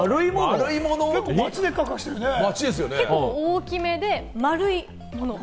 結構大きめで丸いもの。